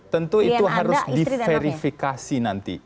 tentu itu harus diverifikasi nanti